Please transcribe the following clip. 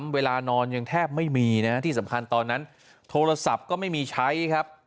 เวลานอนยังแทบไม่มีนะฮะที่สำคัญตอนนั้นโทรศัพท์ก็ไม่มีใช้ครับ